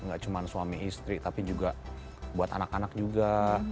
gak cuma suami istri tapi juga buat anak anak juga